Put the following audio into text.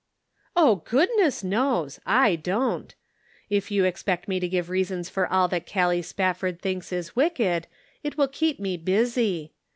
" Oh, goodness knows ; I don't. If you expect me to give reasons for all that Callie Conflicting Duties. 213 Spafford thinks is wicked, it will keep me busy.